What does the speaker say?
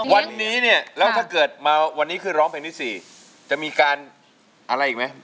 วันนี้เนี่ยแล้วถ้าเกิดมาวันนี้ขึ้นร้องเพลงที่๔จะมีการอะไรอีกไหม